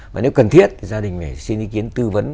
và nếu cần thiết thì gia đình phải xin ý kiến tư vấn